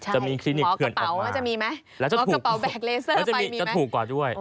จะมีคลินิกเทือนออกมาและจะถูกกว่าด้วยมีหมอกระเป๋าจะมีไหม